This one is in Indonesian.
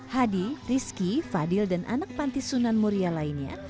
hadi rizky fadil dan anak panti sunan muria lainnya